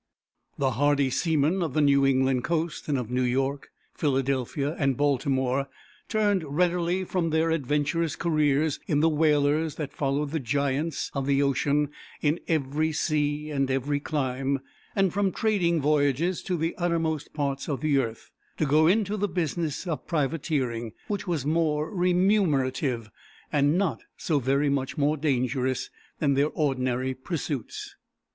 The hardy seamen of the New England coast, and of New York, Philadelphia, and Baltimore, turned readily from their adventurous careers in the whalers that followed the giants of the ocean in every sea and every clime, and from trading voyages to the uttermost parts of the earth, to go into the business of privateering, which was more remunerative, and not so very much more dangerous, than their ordinary pursuits.